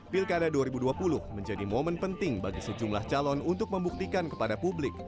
pilkada dua ribu dua puluh menjadi momen penting bagi sejumlah calon untuk membuktikan kepada publik